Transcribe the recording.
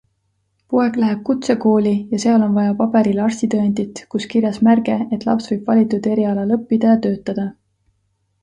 Poeg läheb kutsekooli ja seal on vaja paberil arstitõendit, kus kirjas märge, et laps võib valitud erialal õppida ja töötada.